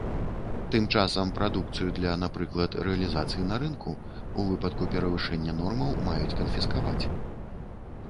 Тым часам прадукцыю для, напрыклад, рэалізацыі на рынку ў выпадку перавышэння нормаў маюць канфіскаваць.